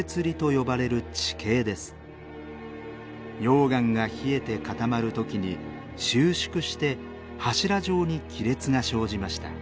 溶岩が冷えて固まる時に収縮して柱状に亀裂が生じました。